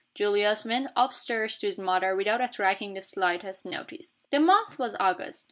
Julius went up stairs to his mother without attracting the slightest notice. The month was August.